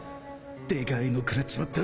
でかいの食らっちまった